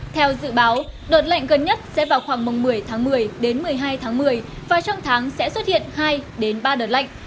theo dự báo đợt lạnh gần nhất sẽ vào khoảng mùng một mươi tháng một mươi đến một mươi hai tháng một mươi và trong tháng sẽ xuất hiện hai ba đợt lạnh